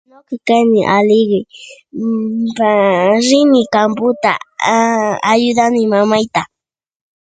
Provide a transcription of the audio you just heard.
Ñuqa kani aligre, pa... rini camputa aa.. ayudani mamayta.